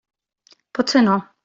Potser no.